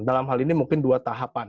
dalam hal ini mungkin dua tahapan